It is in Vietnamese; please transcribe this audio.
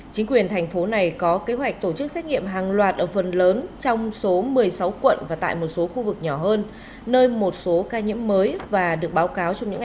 chính quyền thành phố này có kế hoạch tổ chức xét nghiệm hàng loạt ở phần lớn trong số một mươi sáu quận và tại một số khu vực